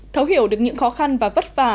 thấu hiểu được những khó khăn và vất vả